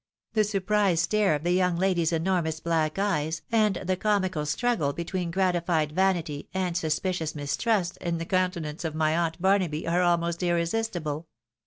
The surprised stare of the young lady's enormous black eyes, and the comical struggle between gratified vanity and suspicious mistrust in the countenance of my aunt Barnaby are almost irresistible.